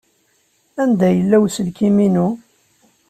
Anda yella uselkim-inu?